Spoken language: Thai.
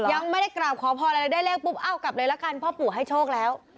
ยังไม่ได้กราบขอพรอะไรได้เลขปุ๊บเอ้ากลับเลยละกันพ่อปู่ให้โชคแล้ว